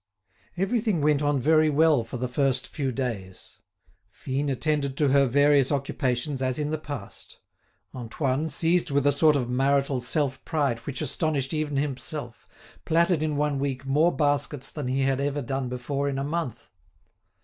Everything went on very well for the first few days. Fine attended to her various occupations as in the past; Antoine, seized with a sort of marital self pride which astonished even himself, plaited in one week more baskets than he had ever before done in a month.